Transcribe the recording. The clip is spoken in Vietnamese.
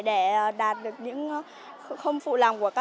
để đạt được những không phụ lòng của các